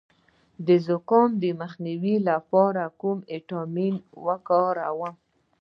د زکام د مخنیوي لپاره کوم ویټامین وکاروم؟